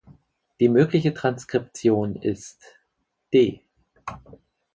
Die mögliche Transkription ist "d".